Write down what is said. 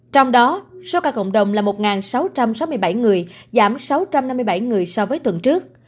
trong đó số ca cộng đồng là một sáu trăm sáu mươi bảy người giảm sáu trăm năm mươi bảy người so với tuần trước